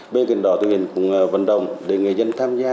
bên kia đó thực hiện cùng vận động để người dân tham gia